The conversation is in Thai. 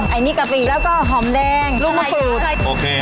ไอ้นี่กะปิแล้วก็หอมแดงลูกมะขุดโอเค